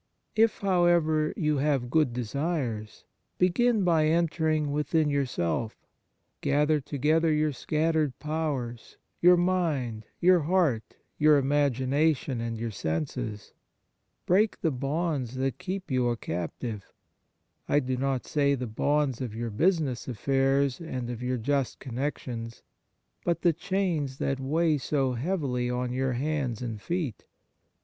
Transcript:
If, however, you have good desires, begin by entering within yourself. Gather together your scattered powers, your mind, your heart, your imagination and your senses ; break the bonds that keep you a captive — I do not say the bonds of your busi ness affairs and of your just connec tions, but the chains that weigh so heavily on your hands and feet.